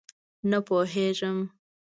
_نه پوهېږم.